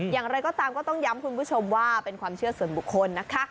อย่างไรก็ตามก็ต้องย้ำคุณผู้ชมว่าเป็นความเชื่อส่วนบุคคลนะคะ